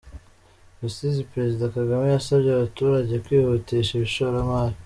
Rusizi Perezida Kagame yasabye abaturage kwihutisha ishoramari